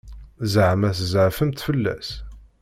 Ẓeɛma tzeɛfemt fell-as?